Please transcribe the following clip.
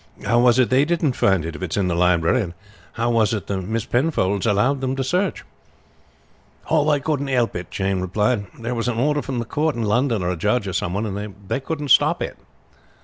How was it they didn't find it if it's in the library, and how was it the Miss Penfolds allowed them to search?" "They couldn't help it," Jane replied. "There was an order from the court in London, or a judge or some one, and they couldn't stop it.